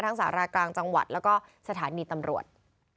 สารากลางจังหวัดแล้วก็สถานีตำรวจ